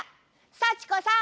幸子さん